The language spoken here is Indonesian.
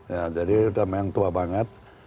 ya jadi udah memang tua banget